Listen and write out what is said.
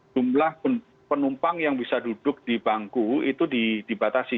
jumlah penumpang yang bisa duduk di bangku itu dibatasi